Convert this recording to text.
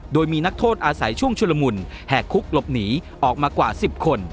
โดยมีนักโทษอาศัยช่วงชุลมุนแหกคุกหลบหนีออกมากว่า๑๐คน